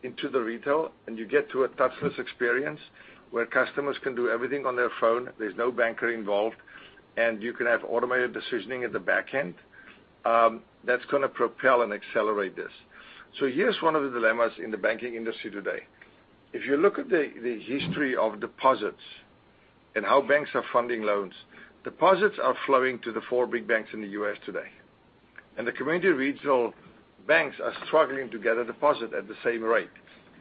into the retail and you get to a touchless experience where customers can do everything on their phone, there's no banker involved, and you can have automated decisioning at the back end, that's going to propel and accelerate this. So, here's one of the dilemmas in the banking industry today. If you look at the history of deposits and how banks are funding loans, deposits are flowing to the four big banks in the U.S. today, and the community regional banks are struggling to gather deposits at the same rate.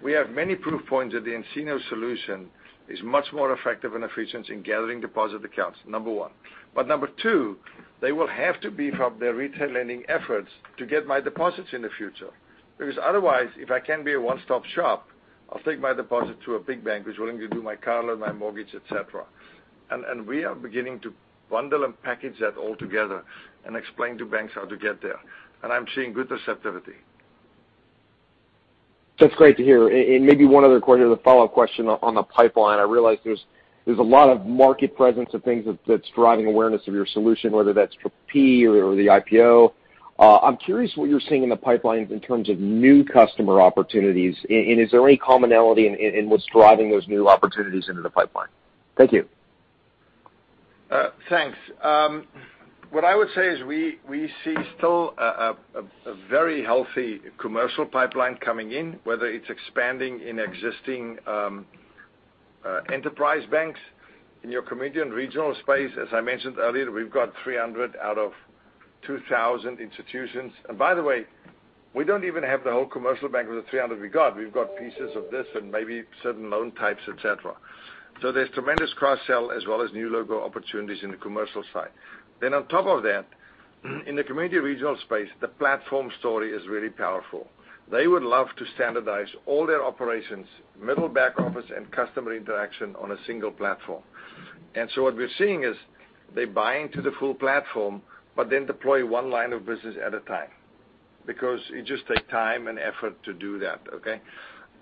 We have many proof points that the nCino solution is much more effective and efficient in gathering deposit accounts, number one. But number two, they will have to beef up their retail lending efforts to get my deposits in the future. Because otherwise, if I can be a one-stop shop, I'll take my deposit to a big bank who's willing to do my car loan, my mortgage, etc. And we are beginning to bundle and package that all together and explain to banks how to get there. And I'm seeing good receptivity. That's great to hear. And maybe one other question, the follow-up question on the pipeline. I realize there's a lot of market presence of things that's driving awareness of your solution, whether that's triple-P or the IPO. I'm curious what you're seeing in the pipelines in terms of new customer opportunities. And is there any commonality in what's driving those new opportunities into the pipeline? Thank you. Thanks. What I would say is we see still a very healthy commercial pipeline coming in, whether it's expanding in existing enterprise banks in your community and regional space. As I mentioned earlier, we've got 300 out of 2,000 institutions. And by the way, we don't even have the whole commercial bank of the 300 we got. We've got pieces of this and maybe certain loan types, etc. So, there's tremendous cross-sell as well as new logo opportunities in the commercial side. Then on top of that, in the community regional space, the platform story is really powerful. They would love to standardize all their operations, middle back office, and customer interaction on a single platform. And so what we're seeing is they buy into the full platform, but then deploy one line of business at a time because it just takes time and effort to do that, okay?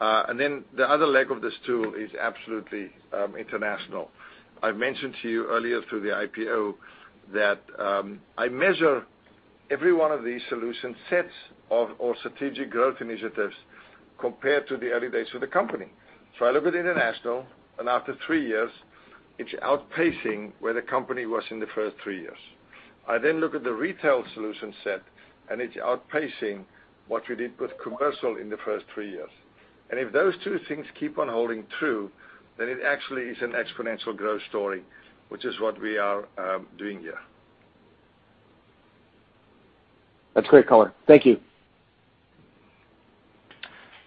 And then the other leg of this tool is absolutely international. I've mentioned to you earlier through the IPO that I measure every one of these solution sets or strategic growth initiatives compared to the early days of the company. I look at international, and after three years, it's outpacing where the company was in the first three years. I then look at the retail solution set, and it's outpacing what we did with commercial in the first three years. If those two things keep on holding true, then it actually is an exponential growth story, which is what we are doing here. That's great, Color. Thank you.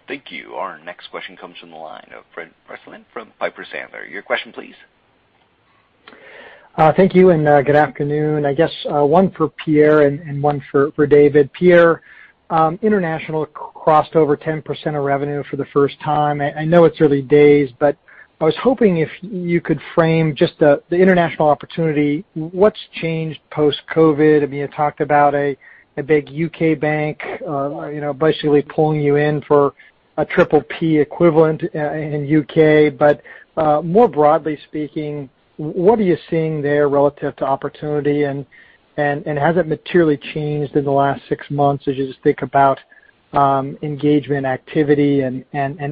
Thank you. Our next question comes from the line of Brent Bracelin from Piper Sandler. Your question, please. Thank you. And good afternoon. I guess one for Pierre and one for David. Pierre, international crossed over 10% of revenue for the first time. I know it's early days, but I was hoping if you could frame just the international opportunity, what's changed post-COVID? I mean, you talked about a big U.K. bank basically pulling you in for a triple-P equivalent in U.K. But more broadly speaking, what are you seeing there relative to opportunity? And has it materially changed in the last six months as you just think about engagement activity? And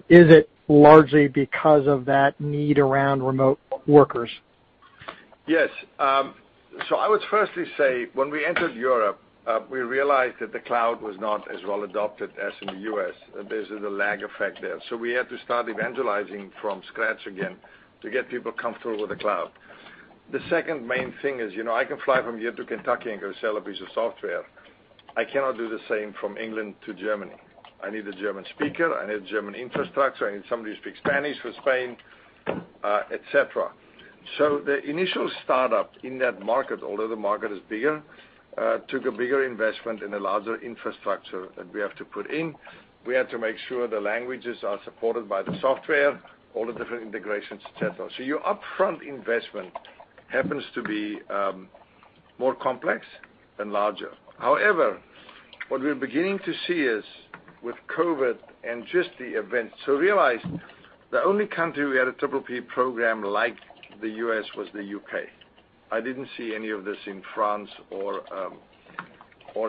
is it largely because of that need around remote workers? Yes. So, I would firstly say when we entered Europe, we realized that the cloud was not as well adopted as in the U.S. There's a lag effect there. So, we had to start evangelizing from scratch again to get people comfortable with the cloud. The second main thing is I can fly from here to Kentucky and go sell a piece of software. I cannot do the same from England to Germany. I need a German speaker. I need German infrastructure. I need somebody who speaks Spanish for Spain, etc. So, the initial startup in that market, although the market is bigger, took a bigger investment in a larger infrastructure that we have to put in. We had to make sure the languages are supported by the software, all the different integrations, etc. So, your upfront investment happens to be more complex and larger. However, what we're beginning to see is with COVID and just the events. So, realize the only country we had a triple-P program like the U.S. was the U.K. I didn't see any of this in France or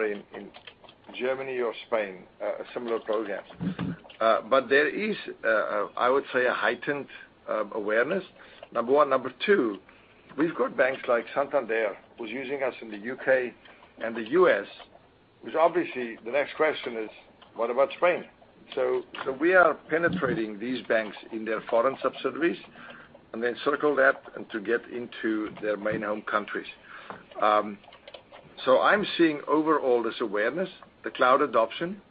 in Germany or Spain, similar programs. But there is, I would say, a heightened awareness. Number one. Number two, we've got banks like Santander, who's using us in the U.K. and the U.S., which obviously the next question is, what about Spain? So, we are penetrating these banks in their foreign subsidiaries and then circle that and to get into their main home countries. So, I'm seeing overall this awareness, the cloud adoption,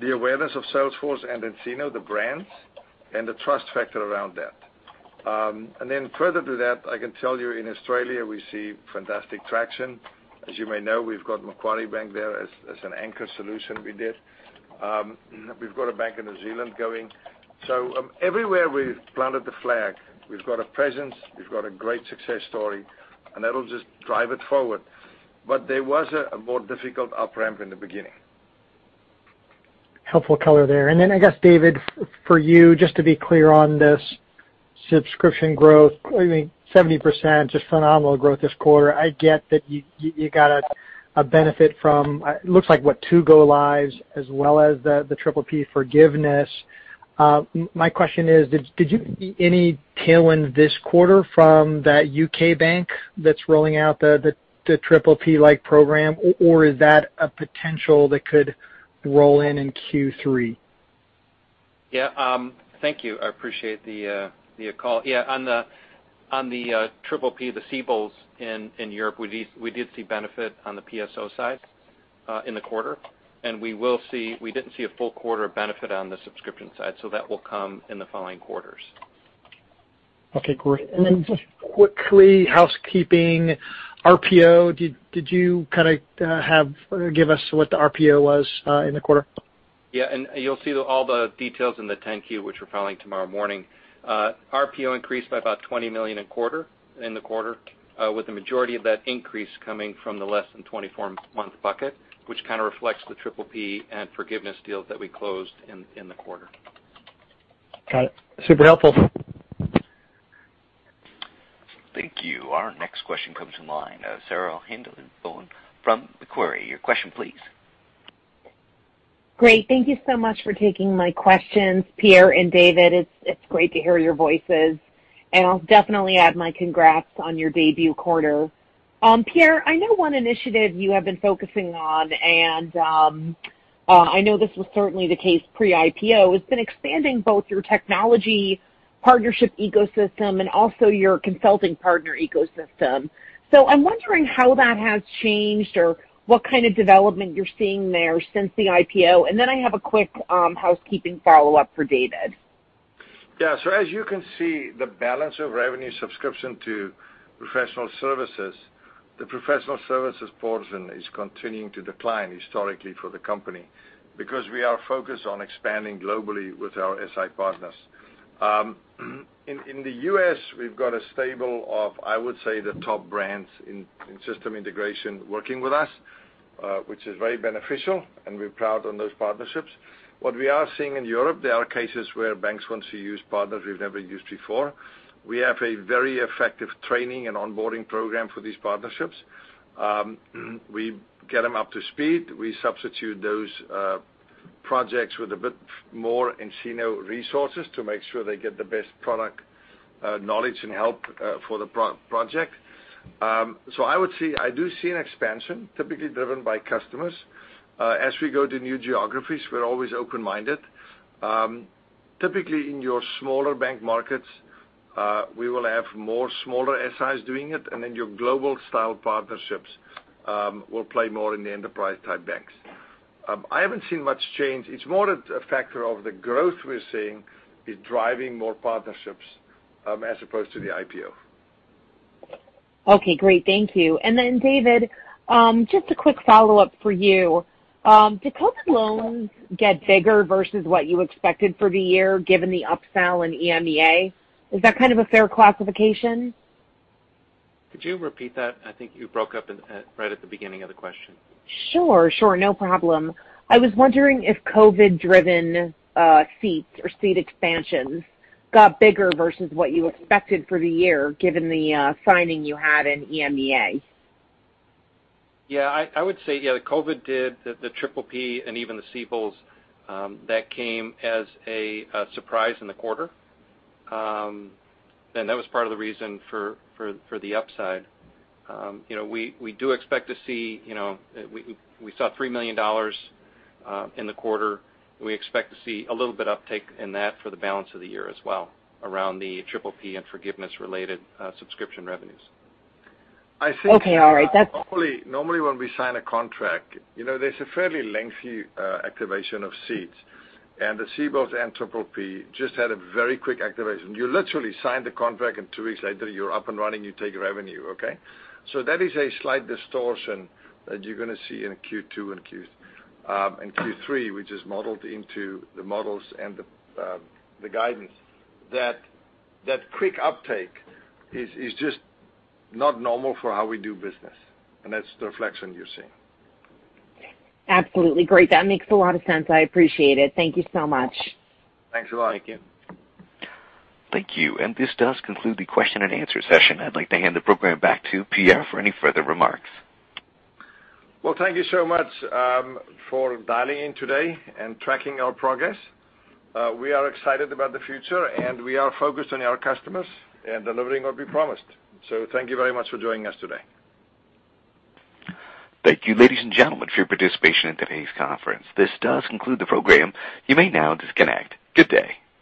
the awareness of Salesforce and nCino, the brands, and the trust factor around that. And then further to that, I can tell you in Australia, we see fantastic traction. As you may know, we've got Macquarie Bank there as an anchor solution we did. We've got a bank in New Zealand going. So, everywhere we've planted the flag, we've got a presence, we've got a great success story, and that'll just drive it forward. But there was a more difficult upramp in the beginning. Helpful color there. And then I guess, David, for you, just to be clear on this subscription growth, I mean, 70%, just phenomenal growth this quarter. I get that you got a benefit from, it looks like, what, two go-lives as well as the triple-P forgiveness. My question is, did you see any tailwinds this quarter from that UK bank that's rolling out the triple-P-like program, or is that a potential that could roll in in Q3? Yeah. Thank you. I appreciate the call. Yeah. On the triple-P, the CBILS in Europe, we did see benefit on the PSO side in the quarter. And we didn't see a full quarter of benefit on the subscription side. So, that will come in the following quarters. Okay. Great. And then just quickly housekeeping, RPO, did you kind of give us what the RPO was in the quarter? Yeah. And you'll see all the details in the 10-Q, which we're filing tomorrow morning. RPO increased by about $20 million in the quarter, with the majority of that increase coming from the less than 24-month bucket, which kind of reflects the triple-P and forgiveness deals that we closed in the quarter. Got it. Super helpful. Thank you. Our next question comes from line of Sarah Hindlian-Bowler from Macquarie. Your question, please. Great. Thank you so much for taking my questions, Pierre and David. It's great to hear your voices. And I'll definitely add my congrats on your debut quarter. Pierre, I know one initiative you have been focusing on, and I know this was certainly the case pre-IPO, has been expanding both your technology partnership ecosystem and also your consulting partner ecosystem. So, I'm wondering how that has changed or what kind of development you're seeing there since the IPO. And then I have a quick housekeeping follow-up for David. Yeah. So, as you can see, the balance of revenue subscription to professional services, the professional services portion is continuing to decline historically for the company because we are focused on expanding globally with our SI partners. In the U.S., we've got a stable of, I would say, the top brands in system integration working with us, which is very beneficial, and we're proud on those partnerships. What we are seeing in Europe, there are cases where banks want to use partners we've never used before. We have a very effective training and onboarding program for these partnerships. We get them up to speed. We substitute those projects with a bit more nCino resources to make sure they get the best product knowledge and help for the project. So, I do see an expansion typically driven by customers. As we go to new geographies, we're always open-minded. Typically, in your smaller bank markets, we will have more smaller SIs doing it, and then your global-style partnerships will play more in the enterprise-type banks. I haven't seen much change. It's more a factor of the growth we're seeing is driving more partnerships as opposed to the IPO. Okay. Great. Thank you. And then, David, just a quick follow-up for you. Did COVID loans get bigger versus what you expected for the year given the upsell in EMEA? Is that kind of a fair classification? Could you repeat that? I think you broke up right at the beginning of the question. Sure. Sure. No problem. I was wondering if COVID-driven seats or seat expansions got bigger versus what you expected for the year given the signing you had in EMEA. Yeah. I would say, yeah, COVID did the triple-P and even the CBILS that came as a surprise in the quarter. And that was part of the reason for the upside. We do expect to see we saw $3 million in the quarter. We expect to see a little bit of uptake in that for the balance of the year as well around the triple-P and forgiveness-related subscription revenues. I think normally when we sign a contract, there's a fairly lengthy activation of seats. And the CBILS and triple-P just had a very quick activation. You literally sign the contract, and two weeks later, you're up and running. You take revenue, okay? So, that is a slight distortion that you're going to see in Q2 and Q3, which is modeled into the models and the guidance. That quick uptake is just not normal for how we do business. And that's the reflection you're seeing. Absolutely. Great. That makes a lot of sense. I appreciate it. Thank you so much. Thanks a lot. Thank you. Thank you. And this does conclude the question-and-answer session. I'd like to hand the program back to Pierre for any further remarks. Well, thank you so much for dialing in today and tracking our progress. We are excited about the future, and we are focused on our customers and delivering what we promised. So, thank you very much for joining us today. Thank you, ladies and gentlemen, for your participation in today's conference. This does conclude the program. You may now disconnect. Good day.